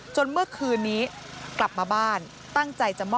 เมื่อคืนนี้กลับมาบ้านตั้งใจจะมอบ